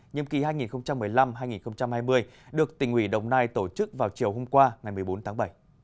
nhiệm kỳ hai nghìn một mươi năm hai nghìn hai mươi được tỉnh ủy đồng nai tổ chức vào chiều hôm qua ngày một mươi bốn tháng bảy